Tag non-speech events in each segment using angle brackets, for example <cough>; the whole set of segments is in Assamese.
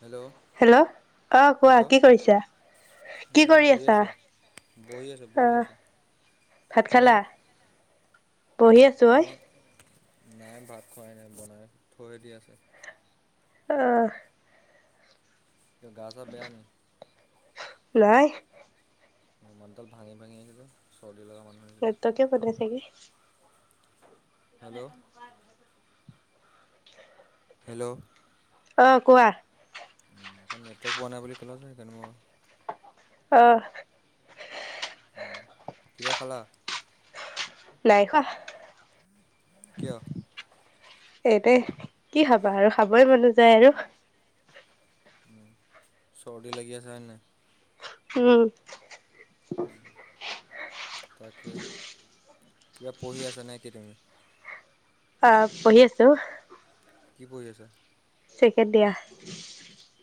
হেল্ল হেল্ল, অ কোৱা, কি কৰিছা? কি উম কৰি বহি আছা আছোঁ, বহি আছোঁ, বহি আহ আছোঁ। ভাত তুমি খালা? বহি আছো ঐ মই নাই ভাত খোৱাই নাই। বনাই থৈ দিয়া আছে। অ কিয় গা ছা বেয়া নি নাই মোৰ মাতডাল ভাঙি ভাঙি আহিছে যে চৰ্দি লগা মানুহ নিচিনা নেটৱৰ্কে বন্ধ হয় চাগে হেল্ল হেল্ল অ কোৱা অহ, নেটৱৰ্ক পোৱা নাই বুলি কলত হে সেইকাৰণে মোৰ অহ কিবা খালা? নাই খোৱা কিয়? এইটোয়ে কি খাবা আৰু খাবই মন নাযায় আৰু উম, চৰ্দি লাগি আছে হয় নাই। উম। তাকে, কিবা পঢ়ি আছা নেকি তুমি? অহ পঢ়ি আছোঁ। কি পঢ়ি আছা? চেকেণ্ড দিয়া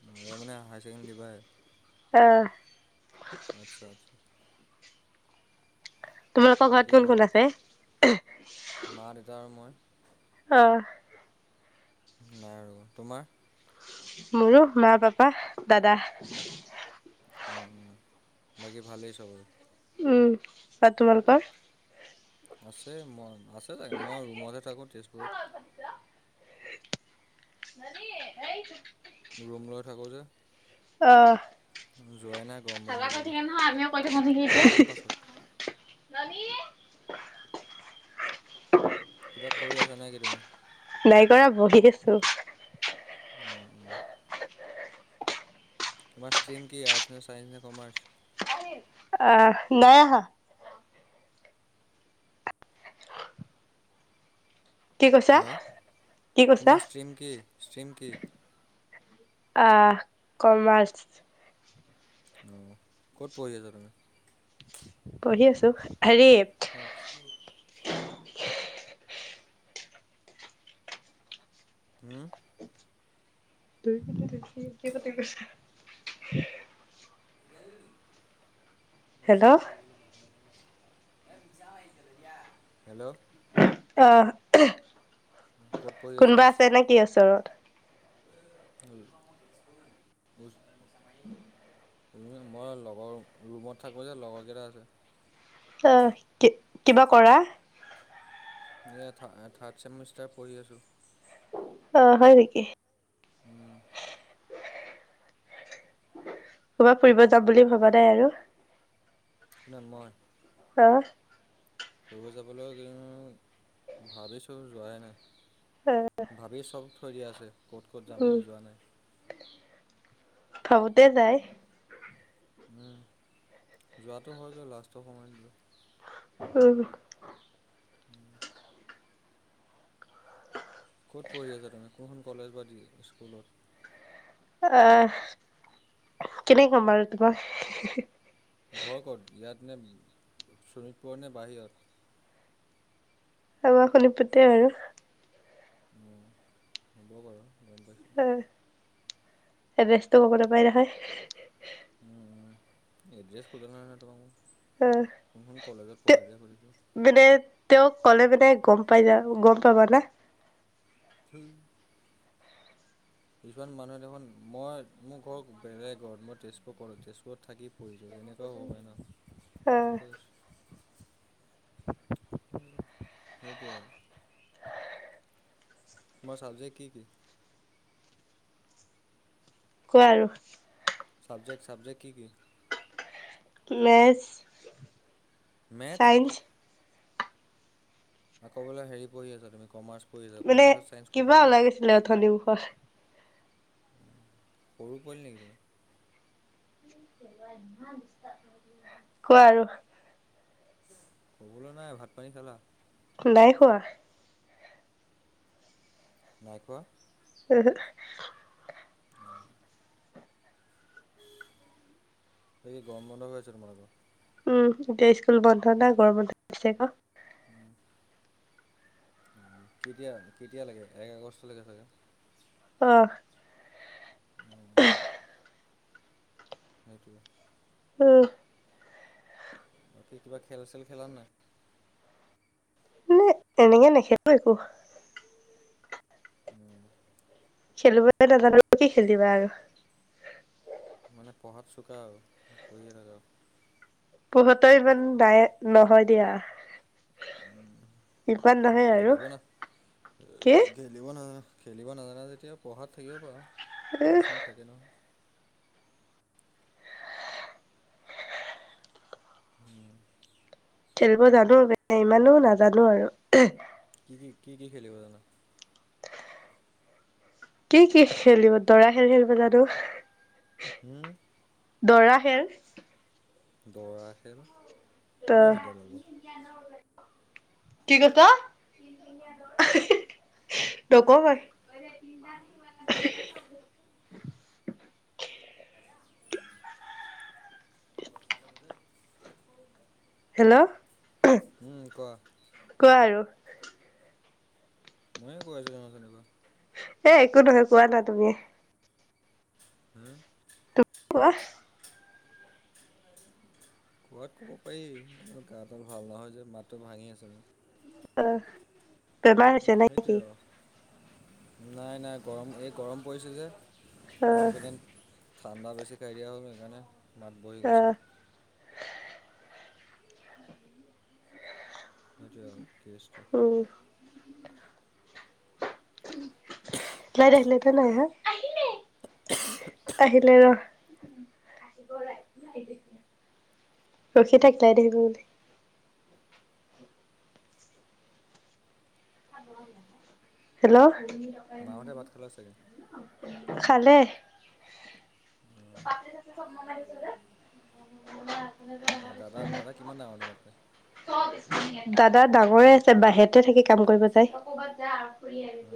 অহ, ‌এবাৰ‌ মানে‌ হায় ছেকেণ্ডেৰী দিবা অহ। আচ্ছা আচ্ছা তোমালোকৰ ঘৰত বাকী কোন কোন আছে ঘৰত মা দেউতা আৰু মই অহ নাই আৰু তোমাৰ? মোৰো মা, পাপা, দাদা। অহ, বাকী ভালেই চবৰে উম, আৰু তোমালোকৰ? আছে মই, আছে চাগে। মই ৰুমতহে থাকোঁ। তেজপুৰত <inaudible> ৰুম লৈ থাকোঁ যে অহ। যোৱাই নাই গৰম বন্ধ হাল্লা কৰি বুলি থাকে নহয়। আমিও কৰি থাকোঁ। হে হে যাম হে পাছত নানি কিবা কৰি আছা নে কি তুমি? নাই কৰা বহি দিছো। অহ অহ তোমাৰ ষ্ট্ৰীম কি আৰ্টছ নে ছাইন্স নে কমাৰ্চ অহ, নাই অহা কি কৈছা, হা কি কৈছা? তোমাৰ ষ্ট্ৰীম কি ষ্ট্ৰীম কি অহ, ‌ কমাৰ্চ। অহ, কত পঢ়ি আছা তুমি? পঢ়ি আছোঁ। হেৰিত তেজপুৰ হম ফুৰিবলৈ গৈছে। <unintelligible> মিছাকে হেল্ল' ক'বলৈ বাই <unintelligible> <unintelligible> হেল্ল' অ, ক'ত পঢ়ি কোনবা আছে নে কি ওচৰত? ওম তুমি মই লগৰ ৰুমত থাকোঁ যে, লগৰকেইটা আছে। অহ, কি কিবা কৰা? এইয়া থা থাৰ্ড চেমিষ্টাৰ পঢ়ি আছো। অ, হয় নেকি? উম। কবাত ফুৰিব যাম বুলি ভাবা নাই আৰু? ন মই হা? ফুৰিব যাবলৈ কিন্তু ভাবিছো যোৱাই নাই। অ ভাবি চাও। থৈ দিয়া আছে ক'ত ক'ত যাম উম কিন্তু যোৱা নাই। ভাবোতে যায়। হুম, যোৱাটো হয়গৈ লাষ্টৰ সময়ত গৈ। উম। উম। ক'ত পঢ়ি আছা তাৰমানে কোনখন কলেজ বা দি স্কুলত? আহ কেনে কম বাৰু তোমাক? ঘৰ ক'ত ইয়াত নে চোণিতপুৰৰ নে বাহিৰত? অ শোণিতপুৰতে আৰু। অ, হ'ব বাৰু গম পাইছো। উম, এড্ৰেছটো ক'ব নাপায় নহয়। উম, এড্ৰেছ সোধা নাই ন তোমাক মই। উম কোনখন কলেজত পঢ়া এড্ৰেছ সুধিছোঁ <unintelligible> মানে তেওঁক ক'লে মানে গম পাই যা গম পাবা না। ধুই। কিছুমান মানুহে দেখোন মই মোৰ ঘৰ বেলেগত। মই তেজপুৰ কৰো তেজপুৰত থাকি পঢ়িছো তেনেকুৱাও হ'ব পাৰে ন? অ সেইটো কথা কৈছো। সেইটোৱে আৰু। তোমাৰ ছাবজেক্ট কি কি? কোৱা আৰু। চাবজেক্ট চাবজেক্ট কি কি? মেছ মেথছ? আকৌ বোলে হেৰি পঢ়ি আছা তুমি কমাৰ্চ পঢ়ি আছা। মানে কমাৰ্চত ছাইন্স ক কিবা পা আহিলে? ওলাই গৈছিলে অথনি মুখত সৰু পোৱালি নেকি তুমি? <unintelligible> কোৱা আৰু। ক'বলৈ নাই। ভাত-পানী খালা? নাই খোৱা। নাই খোৱা? উ, হু। অ। এতিয়া কি গৰম বন্ধ হৈ আছে তোমালোকৰ? উম, এতিয়া স্কুল বন্ধ না। গৰম বন্ধ দিছে আক'। <inaudible> কেতিয়া কেতিয়ালৈকে? এক আগষ্টলৈকে চাগে? অ। সেইটোৱে। উম। বাকী কিবা খেল-চেল খেলা নাই? উম তেনেকে নেখেলো একো। উম। খেলিবই নাজানো কি খেলিবা আৰু। মানে পঢ়াত চোকা আৰু? পঢ়িয়ে থাকা আৰু। পঢ়াটো ইমান নাই নহয় দিয়া। ইমান মোক নহয় আৰু খেলিব না কি? খেলিব নহয় খেলিব নাজানা যেতিয়া পঢ়াত থাকিব পাৰা। কিছুমান থাকে নহয়। <inaudible> খেলিব জানো, মানে ইমানো নাজানো আৰু। কি কি কি খেলিব জানা? কি কি খেলিব দৰা খেল খেলিব জানো। হুম? দৰা খেল। দৌৰা খেল? দ কি সিডাল আকৌ কি কৈছ? <inaudible> নকও মই। <unintelligible> <unintelligible> হেল্ল' উম কোৱা। কোৱা আৰু। ময়ে কৈ আছোচোন অথনি পৰা। এ একো নহয় কোৱা না তুমিয়ে। হু? কোৱা। কোৱাত ক'ব পাৰি। কিন্তু গাটো ভাল নহয় যে মাতটো ভাঙি আছে মোৰ। অ, বেমাৰ হৈছে নে সেইটোৱে কি আৰু নাই নাই গৰম এই গৰম পৰিছে যে। অ গৰমকেইদিন ঠাণ্ডা বেছি খাই দিয়া হ'ল সেইকাৰণে মাত বহি অ গৈছে। সেইটোৱে আৰু কেছটো। উহ। লাইট আহিলে তে নাই আহা? আহিলে। আহিলে ৰহ। <unintelligible> ৰখি থাক লাইট আহিব বুলি। হেল্ল' মাহঁতে ভাত খালে চাগে? খালে। <unintelligible> তাকে দাদা দাদা কিমান ডাঙৰ তোমাতকে? <unintelligible> দাদা ডাঙৰে আছে বাহিৰতে থাকি কাম কৰিব যায়। অ, অ,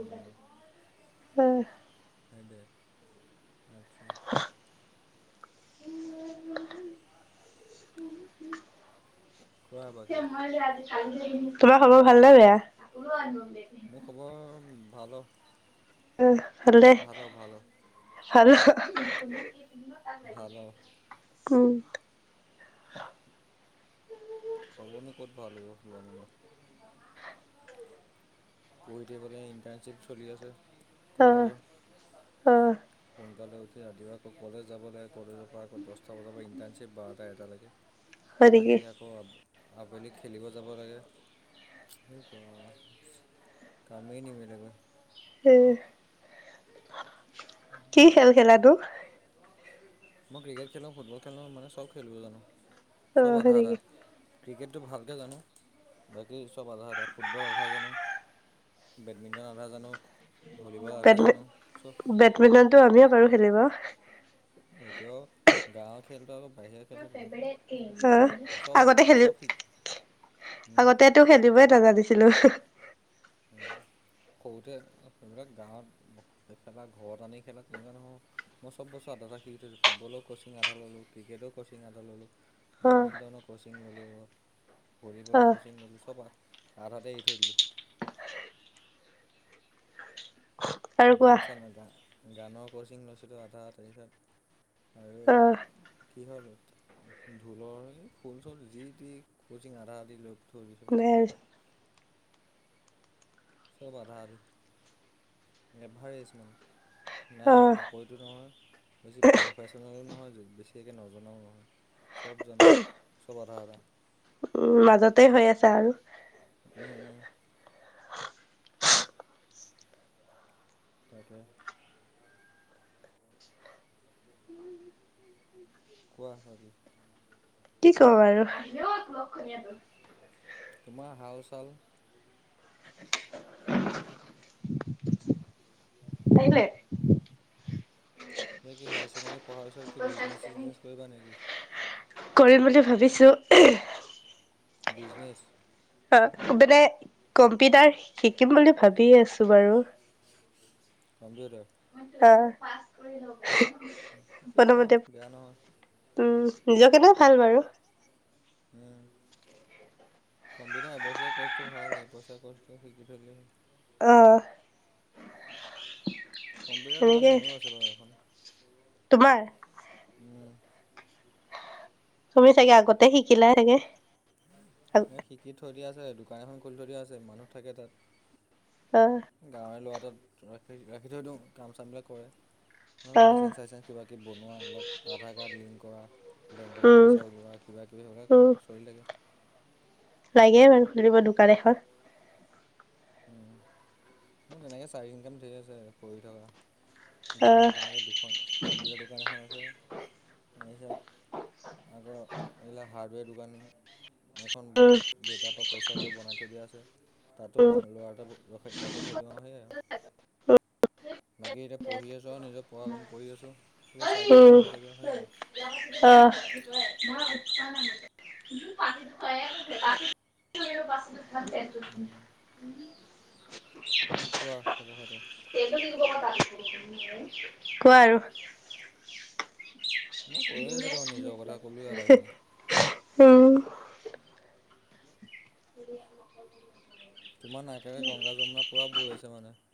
সেইটোৱে আটছা। <unintelligible> <unintelligible> কোৱা <unintelligible> সে বাকী মই যে আজি তোমাৰ খবৰ ভাল নে বেয়া? মোৰ খবৰ ভাল হওক। উম, হলেই ভাল অ ভাল <unintelligible> ভাল অ। উম। খবৰনো ক'ত ভাল হ'ব ল'ৰা মানুহৰ? পঢ়ি থাকিবলে ইণ্টাৰ্ণশ্বিপ চলি আছে। অ কলেজৰ। অ সোনকালে উঠি ৰাতিপুৱা আকৌ কলেজ যাব লাগে। কলেজৰ পৰা আকৌ দছটা বজাৰ পৰা ইণ্টাৰ্ণশ্বিপ বাৰটা, এটালৈকে। হয় নেকি আহি আকৌ আবেলি খেলিব যাব লাগে। <unintelligible> কামেই নিমিলেগৈ। হু, কি খেল খেলা নো? মই ক্ৰিকেট খেলো, ফুটবল খেলো। মানে চব খেলিব জানো। অ চব হয় আধা আধা। নেকি ক্ৰিকেটটো ভালকে জানো। বাকী চব আধা আধা, ফুটবল আধা জানো। বেডমিণ্টন আধা জানো। ভলীবল আধা বেডমি জানো চব বেডমিন্টনটো আমিও পাৰো খেলিব। এইটো গাঁৱৰ খেলটো আকৌ বাহিৰৰ খেলটো বেলেগ অহ, বেলেগ। চব আগতে আহে চব‌ শি হুম? টো খেলিবই নাজানিছিলো। উম। সৰুতে সেইবিলাক গাঁৱত খেলা ঘৰত আনি খেলা তেনেকুৱা নহয়। মই চব বস্তু আধা আধা শিকি থৈ দিও। ফুটবলৰ কচিং আধা ললো, ক্ৰিকেটৰ কচিং আধা ল'লো। অহ, বেডমিণ্টনৰ কচিং ল'লো, ভলীবলৰ অহ কচিং ল'লো। চব আধাতে এৰি থৈ দিলো। আৰু কোৱা গান চান গা গানৰ কচিং লৈছিলোঁ আধা তাৰপিছত আৰু অহ। কিহৰ ঢোলৰ নে খোল-চোল যি তি কচিং আধা আধি লৈ থৈ দিলো। চব আধা আধি, এভাৰেছ মানে। নাই একে অহ, পাকৈতটো নহয়। বেছি প্ৰফেচনেলো নহয়, বেছি একে নজনাও নহয়। চব জানো, চব আধা আধা। উ মাজতে হৈ আছা আৰু। উম, উম। তাকে। কোৱা বাকী। কি কম আৰু? তোমাৰ হাল চাল? <inaudible> আহিলে তুমি কি হায়াৰ ছেকেণ্ডেৰী পঢ়াৰ পাছত কি বিজনেছ-চিজনেছ কৰিবা নেকি? কৰিম বুলি ভাবিছো। বিজনেছ? অ মানে কম্পিউটাৰ শিকিম বুলি ভাবি আছো বাৰু। কম্পিউটাৰ? অ। শিকিব পাৰা বেয়া নহয়। উম, নিজৰ কাৰণে ভাল বাৰু। উম। কম্পিউটাৰ এবছৰীয়া কৰ্চটো ভাল, এবছৰীয়া কৰ্চটো শিকি থৈ দিলে হ'ল। অ। কম্পিউটাৰ দোকান সেনেকে মোৰো আছে বাৰু এখন। তোমাৰ উম। তুমি চাগে আগতে শিকিলা চাগে? <unintelligible> সিকি থৈ দিয়া আছে, দোকান এখন খুলি থৈ দিয়া আছে, মানুহ থাকে তাত। অ', গাঁৱৰে ল'ৰাটোত ৰাখি-ৰাখি থৈ দিওঁ কাম চামবিলাক কৰে। অ', লাইচেন্ঞ্চ-চাইচেন্স, কিবা কিবি বনোৱা, এইবিলাক আধাৰ কাৰ্ড লিংক কৰা, বেংকৰ পৰা উম, পইচা উলিওৱা কিবা কিবি উম, সেইবিলাক চলি থাকে। লাগে বাৰু খুলিব দোকান এখন। উম মোৰ তেনেকৈ চাইড ইনকাম ধেৰ আছে কৰি থাকা। অ', দোকান তেনেকৈ দুখন। কম্পিউটাৰ দোকান এখন আছে, তাৰপিছত আকৌ এইবিলাক হাৰডবেৰ দোকান এখন উম, দেতাৰ পৰা পইচা লৈ বনাই থৈ দিয়া আছে তাতো উম, ল'ৰা এটা ৰাখি থৈ দিওঁ আৰু সেয়াই উম, আৰু বাকী এতিয়া পঢ়ি আছোঁ আৰু নিজৰ পঢ়া কাম পঢ়ি আছোঁ। অলপ চাইদ উম, ইনকাম হৈ থাকে হয়নে? অ', <unintelligible> উম। <inaudible> কি কোৱা খবৰ খাটি? <unintelligible> কোৱা আৰু। মই কৈয়ে আছো দেখোন নিজৰ কথা, ক'লোৱে আটাইখিনি। উম। <unintelligible> তোমাৰ নাইকেৰে গংগা, যমুনা পুৰা বৈ আছে মানে।